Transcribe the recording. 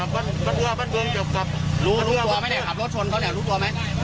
บ้านเรือบ้านเบื้องรู้ตัวไหมนะครับรู้ตัวไหม